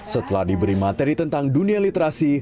setelah diberi materi tentang dunia literasi